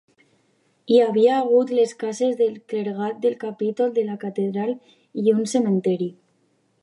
Hi havia hagut les cases del clergat del capítol de la Catedral i un cementiri.